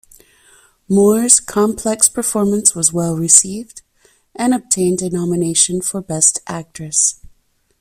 Moore's complex performance was well-received and obtained a nomination for Best Actress.